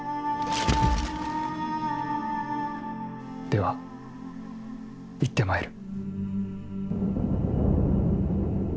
では行って参る。